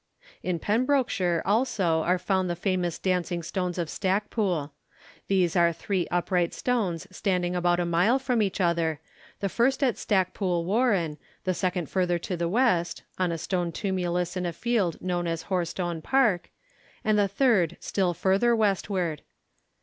In Pembrokeshire also are found the famous Dancing Stones of Stackpool. These are three upright stones standing about a mile from each other, the first at Stackpool Warren, the second further to the west, on a stone tumulus in a field known as Horestone Park, and the third still further westward.